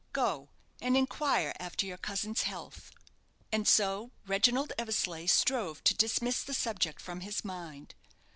"Go and inquire after your cousin's health." And so Reginald Eversleigh strove to dismiss the subject from his mind.